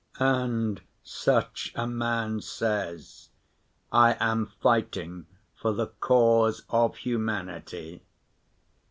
And such a man says, "I am fighting for the cause of humanity."